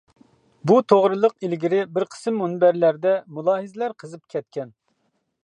بۇ توغرىلىق ئىلگىرى بىر قىسىم مۇنبەرلەردە مۇلاھىزىلەر قىزىپ كەتكەن.